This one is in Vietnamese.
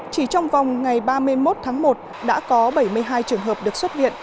chỉ trong vòng ngày ba mươi một tháng một đã có bảy mươi hai trường hợp được xuất viện